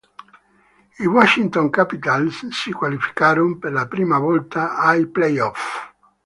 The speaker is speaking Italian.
I Washington Capitals si qualificarono per la prima volta ai playoff.